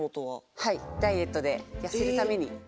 はいダイエットで痩せるために。